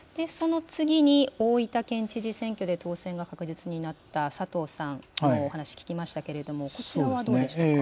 その次に大分県知事選挙で当選が確実になった、佐藤さんのお話聞きましたけれども、こちらはどうでしたか？